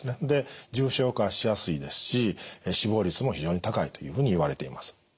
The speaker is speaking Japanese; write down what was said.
で重症化しやすいですし死亡率も非常に高いというふうにいわれています。